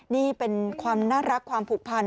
นี่เป็นความน่ารักความผูกพัน